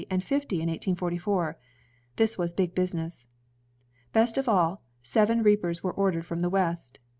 nd fifty in 1844. This was big business. Best of all, seven reapers were ordered from the West.